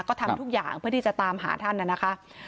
ก็ทำทุกอย่างเพื่อที่จะตามหาท่านนะคะ